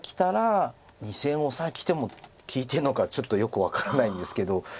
２線オサエがきても利いてるのかちょっとよく分からないんですけど。